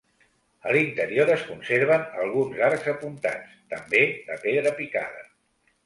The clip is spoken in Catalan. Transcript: A l'interior es conserven alguns arcs apuntats, també de pedra picada.